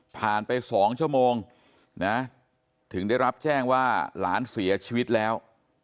ผ่านไปสองชั่วโมงถึงรับแจ้งว่าหลานเสียชีวิตแล้ว